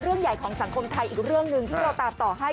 เรื่องใหญ่ของสังคมไทยอีกเรื่องหนึ่งที่เราตามต่อให้